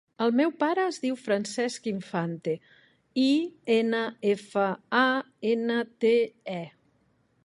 El meu pare es diu Francesc Infante: i, ena, efa, a, ena, te, e.